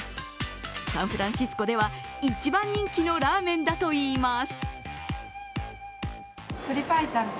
サンフランシスコでは一番人気のラーメンだといいます。